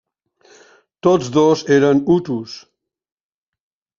Tots dos eren hutus.